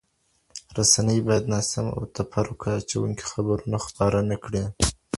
رسنۍ باید ناسم او تفرقه اچوونکي خبرونه خپاره نه کړي.